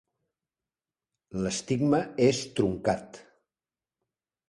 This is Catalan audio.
L'estigma és truncat.